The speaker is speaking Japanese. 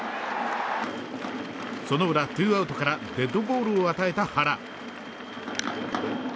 その裏、ツーアウトからデッドボールを与えた原。